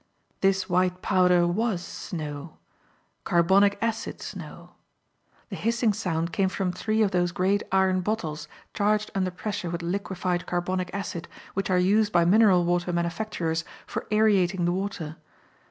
This white powder WAS snow carbonic acid snow. The hissing sound came from three of those great iron bottles, charged under pressure with liquified carbonic acid, which are used by mineral water manufacturers for aerating the water.